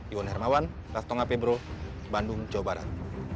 iwan hermawan lastonga pebro bandung jawa barat